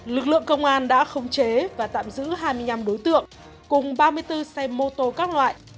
lực lượng công an đã khống chế và tạm giữ hai mươi năm đối tượng cùng ba mươi bốn xe mô tô các loại